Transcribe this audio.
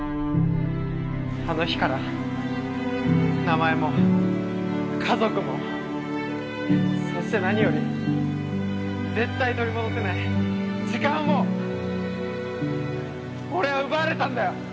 あの日から名前も家族もそして何より絶対に取り戻せない時間を俺は奪われたんだよ！